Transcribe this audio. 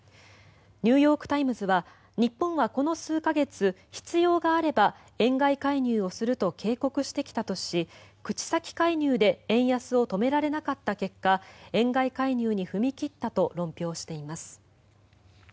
ニューヨーク・タイムズは日本はこの数か月必要があれば円買い介入をすると警告してきたとし口先介入で円安を止められなかった結果円買い介入に踏み切ったと論評しています。